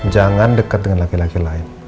jangan dekat dengan laki laki lain